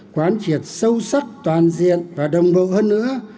quán triệt sâu sắc toàn diện và đồng bộ hơn nữa